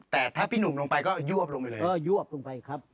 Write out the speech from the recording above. แต่ถ้าพี่หนุ่มลงไปก็ย้อบลงไปเลย